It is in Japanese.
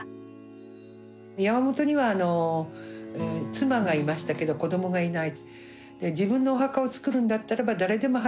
山本には妻がいましたけど子どもがいない。